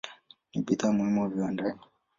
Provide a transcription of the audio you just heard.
Ni bidhaa muhimu viwandani.